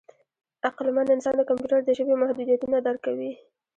عقلمن انسان د کمپیوټر د ژبې محدودیتونه درک کوي.